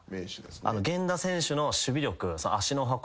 源田選手の守備力足の運び